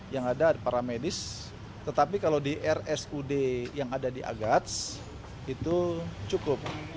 yang ada para medis tetapi kalau di rsud yang ada di agats itu cukup